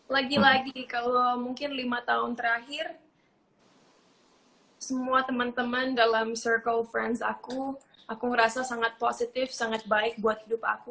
lagi lagi kalau mungkin lima tahun terakhir semua teman teman dalam circle friends aku aku merasa sangat positif sangat baik buat hidup aku